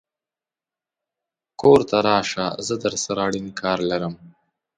کور ته راشه زه درسره اړين کار لرم